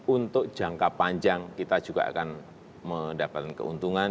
untuk jangka panjang kita juga akan mendapatkan keuntungan